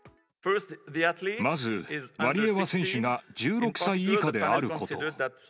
まずワリエワ選手が１６歳以下であること。